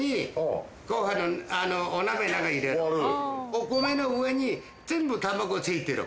お米の上に全部玉子ついてる。